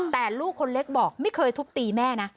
แต่ลูกคนเล็กบอกไม่เคยทุบตีแม่นะ